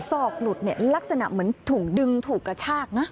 อกหลุดเนี่ยลักษณะเหมือนถูกดึงถูกกระชากนะ